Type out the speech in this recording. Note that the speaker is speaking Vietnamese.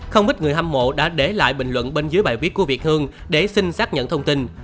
không ít người hâm mộ đã để lại bình luận bên dưới bài viết của việt hương để xin xác nhận thông tin